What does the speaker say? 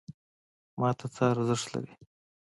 ماته څه ارزښت لري؟